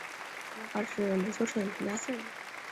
黄晋发是美湫省平大县人。